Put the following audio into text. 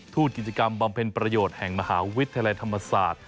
ตกิจกรรมบำเพ็ญประโยชน์แห่งมหาวิทยาลัยธรรมศาสตร์